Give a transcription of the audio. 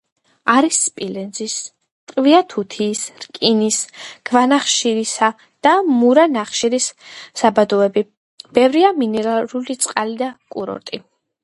არის სპილენძის, ტყვია-თუთიის, რკინის, ქვანახშირისა და მურა ნახშირის საბადოები, ბევრია მინერალური წყარო და კურორტი.